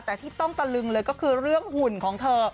แต่ที่ต้องตะลึงเลยก็คือเรื่องหุ่นของเธอ